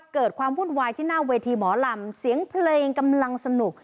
เกิดความวุ่นวายที่หน้าเวทีหมอลำเสียงเพลงกำลังสนุก